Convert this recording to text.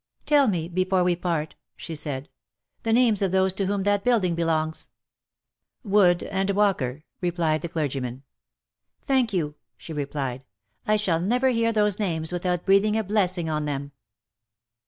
(i Tell me, before we part," she said, *' the names of those to whom that building belongs?" " Wood and Walker," replied the clergyman. " Thank you !" she replied ; "I shall never hear those names with out breathing a blessing on them